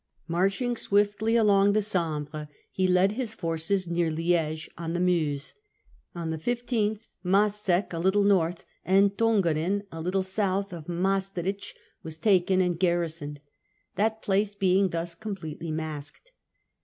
Marching swiftly along the Sambre, he led his forces near Lifcge, on the Meuse. On the 15th Maseyck, a little north, and Tongres, a little south, of Maestricht, were taken and garrisoned, that place being thus completely masked.